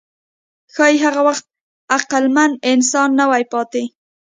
ښایي هغه وخت عقلمن انسان نه وي پاتې.